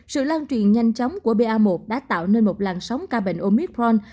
sự lan truyền nhanh chóng của ba một đã tạo nên một làn sóng ca bệnh omicron